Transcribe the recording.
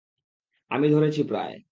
আমি ধরেছি প্রায়।